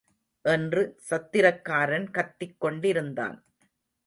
என்று சத்திரக்காரன் கத்திக் கொண்டிருந்தான்.